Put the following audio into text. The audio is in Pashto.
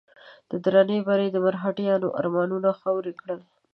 د دراني بري د مرهټیانو ارمانونه خاورې کړل.